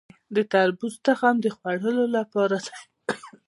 د تربوز تخم د خوړلو دی؟